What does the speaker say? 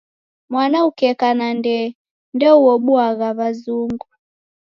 Mwana ukeka na ndee ndeuobuagha w'azungu.